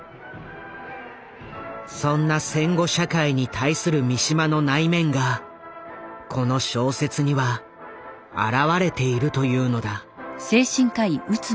そんな戦後社会に対する三島の内面がこの小説には表れているというのだ。